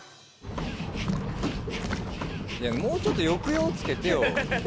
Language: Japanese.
もうちょっと抑揚つけてよ。